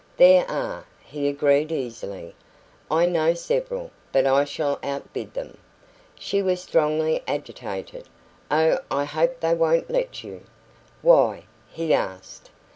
"There are," he agreed easily. "I know several. But I shall outbid them." She was strongly agitated. "Oh, I hope they won't let you!" "Why?" he asked.